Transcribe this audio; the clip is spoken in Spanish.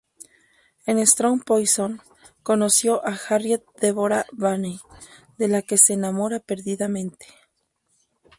En "Strong poison", conoció a "Harriet Deborah Vane", de la que se enamora perdidamente.